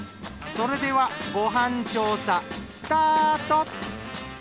それではご飯調査スタート！